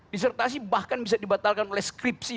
disertasi bahkan bisa dibatalkan oleh skripsi